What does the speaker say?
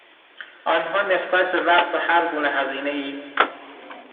آنها نسبت به وقت و هرگونه هزینه ای